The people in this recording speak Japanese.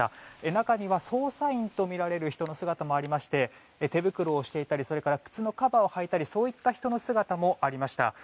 中には、捜査員とみられる人の姿もありまして手袋をしていたり靴のカバーをはいたりそういった人の姿もありました。